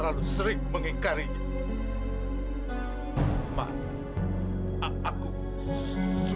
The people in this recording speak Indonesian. aku benar benar cinta sama kamu yos